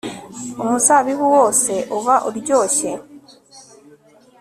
umuzabibu wose uba uryoshye